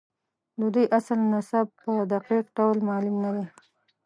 د دوی اصل نسب په دقیق ډول معلوم نه دی.